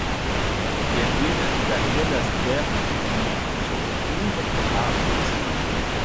Les ruines d'un monastère du se trouvent à proximité.